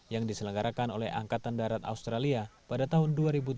yang diselenggarakan oleh angkatan darat australia pada tahun dua ribu tujuh belas